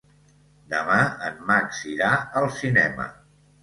Demà en Max irà al cinema.